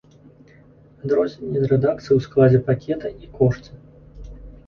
Адрозненні рэдакцый ў складзе пакета і кошце.